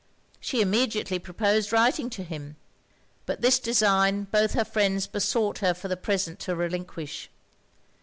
She immediately proposed writing to him; but this design both her friends besought her for the present to relinquish.